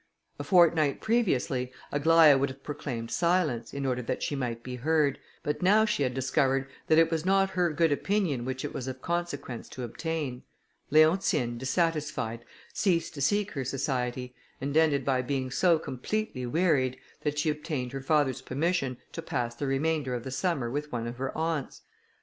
A fortnight previously, Aglaïa would have proclaimed silence, in order that she might be heard, but now she had discovered that it was not her good opinion which it was of consequence to obtain. Leontine, dissatisfied, ceased to seek her society, and ended by being so completely wearied, that she obtained her father's permission to pass the remainder of the summer with one of her aunts.